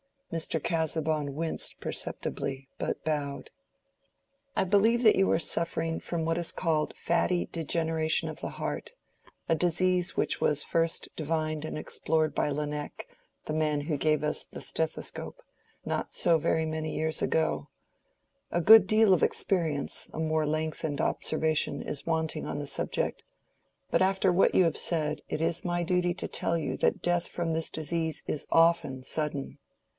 Mr. Casaubon winced perceptibly, but bowed. "I believe that you are suffering from what is called fatty degeneration of the heart, a disease which was first divined and explored by Laennec, the man who gave us the stethoscope, not so very many years ago. A good deal of experience—a more lengthened observation—is wanting on the subject. But after what you have said, it is my duty to tell you that death from this disease is often sudden.